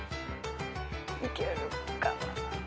いけるかな？